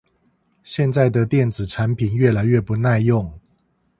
現在的電子產品越來越不耐用